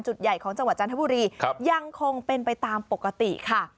จุดใหญ่ของจังหวัดจันทบุรียังคงเป็นไปตามปกติค่ะ